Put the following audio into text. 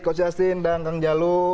coach justin dan kang jalu